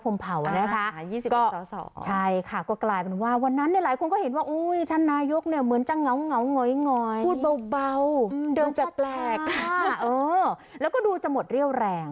มันจะแปลกค่ะแล้วก็ดูจะหมดเรี่ยวแรง